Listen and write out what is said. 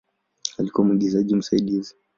Alikuwa mwigizaji msaidizi.